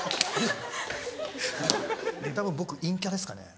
たぶん僕陰キャですかね？